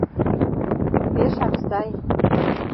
— Пешак сай!